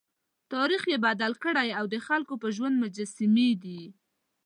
تاریخ یې بدل کړی او د خلکو په ژوند مجسمې دي.